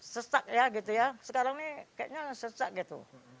sesak ya gitu ya sekarang ini kayaknya sesak gitu